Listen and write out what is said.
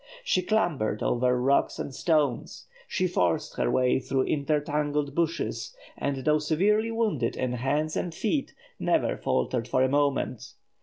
She clambered over rocks and stones; she forced her way through intertangled bushes; and, though severely wounded in hands and feet, never faltered for a moment.